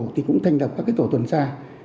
thì cũng thành lập các tổ tuần xa